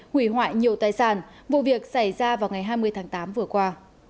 hủy hoại nhiều tài sản vụ việc xảy ra vào ngày hai mươi tháng tám vừa qua